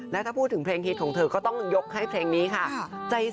เปลี่ยนเพลงฮิตของเธอก็ต้องยกให้เพลงนี้ค่ะ